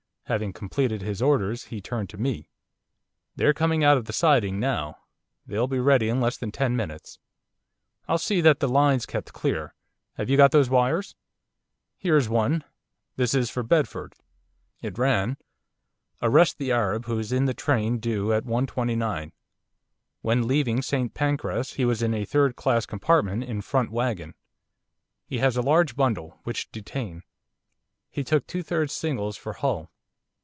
Having completed his orders he turned to me. 'They're coming out of the siding now they'll be ready in less than ten minutes. I'll see that the line's kept clear. Have you got those wires?' 'Here is one, this is for Bedford.' It ran: 'Arrest the Arab who is in train due at 1.29. When leaving St Pancras he was in a third class compartment in front waggon. He has a large bundle, which detain. He took two third singles for Hull.